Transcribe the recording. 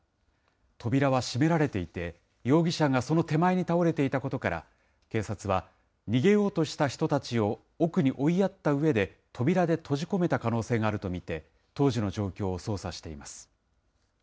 扉は閉められていて、容疑者がその手前に倒れていたことから、警察は、逃げようとした人たちを奥に追いやったうえで、扉で閉じ込めた可能性があると見て、当時の状況を捜査しています。